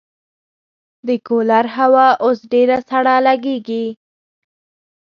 د کولر هوا اوس ډېره سړه لګېږي.